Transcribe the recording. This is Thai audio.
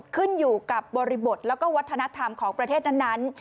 ขึ้นอยู่กับบริบทแล้วก็วัฒนธรรมของประเทศนั้น